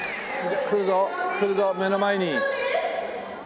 来るぞ来るぞ目の前に。